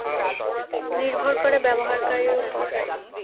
নির্ভর করে ব্যবহারকারীর উপর।